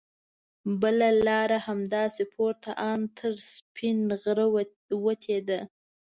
بله لاره همداسې پورته ان تر سپینغره وتې ده.